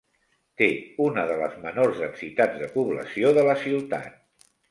Té una de les menors densitats de població de la ciutat.